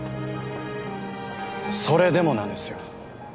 それでもなんですよ。